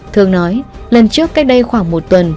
thương nói lần trước cách đây khoảng một tuần